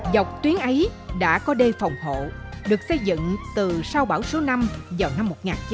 dọc tuyến ấy đã có đê phòng hộ được xây dựng từ sau bão số năm vào năm một nghìn chín trăm bảy mươi